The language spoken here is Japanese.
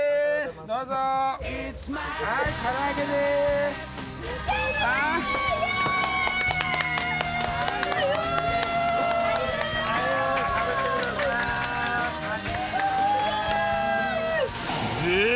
どうぞー。